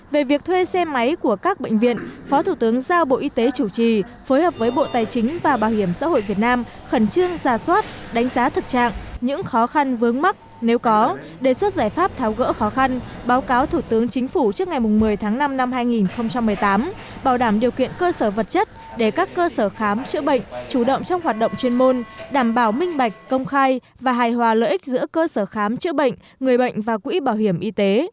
về việc thuê xe máy của các bệnh viện phó thủ tướng giao bộ y tế chủ trì phối hợp với bộ tài chính và bảo hiểm xã hội việt nam khẩn trương ra soát đánh giá thực trạng những khó khăn vướng mắt nếu có đề xuất giải pháp tháo gỡ khó khăn báo cáo thủ tướng chính phủ trước ngày một mươi tháng năm năm hai nghìn một mươi tám bảo đảm điều kiện cơ sở vật chất để các cơ sở khám chữa bệnh chủ động trong hoạt động chuyên môn đảm bảo minh bạch công khai và hài hòa lợi ích giữa cơ sở khám chữa bệnh người bệnh và quỹ bảo hi